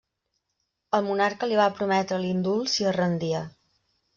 El monarca li va prometre l'indult si es rendia.